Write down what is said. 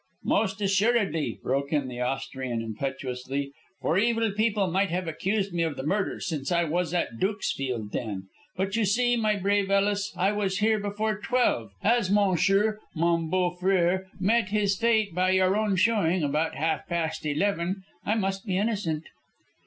"Most assuredly," broke in the Austrian, impetuously, "for evil people might have accused me of the murder, since I was at Dukesfield then. But you see, my brave Ellis, I was here before twelve. As monsieur, mon beau frère, met his fate by your own showing about half past eleven, I must be innocent."